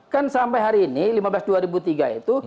kan sampai hari ini lima belas dua ribu tiga itu